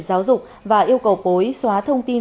giáo dục và yêu cầu pối xóa thông tin